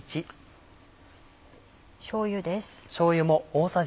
しょうゆです。